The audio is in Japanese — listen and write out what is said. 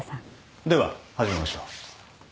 では始めましょう。